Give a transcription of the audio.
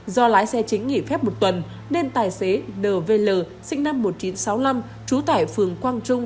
do lái xe chính nghỉ phép một tuần nên tài xế nvl sinh năm một nghìn chín trăm sáu mươi năm trú tải phường quang